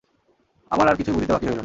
আমার আর কিছুই বুঝিতে বাকি রহিল না।